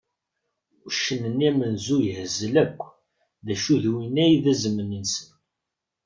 Uccen-nni amenzu yehzel akk, d acu d win i d azemni-nsen.